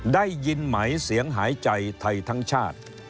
ได้ยินไหมเสียงหายใจไทยทั้งชาติ